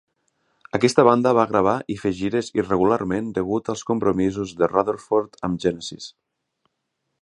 Aquesta banda va gravar i fer gires irregularment degut als compromisos de Rutherford amb Genesis.